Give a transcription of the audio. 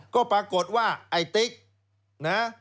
ก็ปรากฏว่าไอ้ติ๊กนะ